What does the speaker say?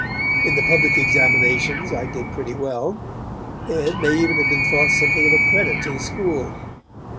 In the public examinations I did pretty well, and may even have been thought something of a credit to the school.